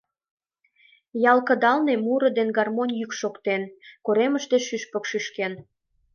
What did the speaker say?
Ял кыдалне муро ден гармонь йӱк шоктен, коремыште шӱшпык шӱшкен.